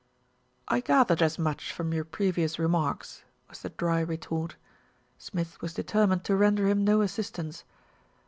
"I gathered as much from your previous remarks/' was the dry retort. Smith was determined to render him no assistance.